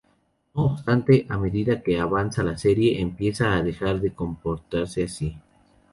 No obstante, a medida que avanza la serie, empieza a dejar de comportarse así.